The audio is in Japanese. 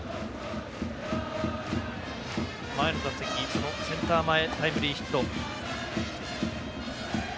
前の打席センター前タイムリーヒット。